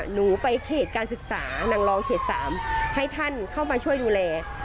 หนูไปเขตการศึกษานางรองเขต๓ให้ท่านเข้ามาช่วยดูแล